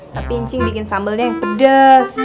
tapi incing bikin sambalnya yang pedas